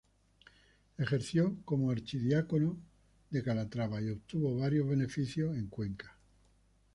Ejerció como archidiácono de Calatrava y obtuvo varios beneficios en Cuenca.